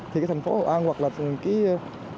thì cái thành phố hồ an hoặc là phần kia